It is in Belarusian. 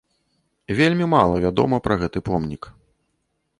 Вельмі мала вядома пра гэты помнік.